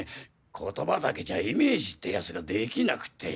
言葉だけじゃイメージってやつができなくて。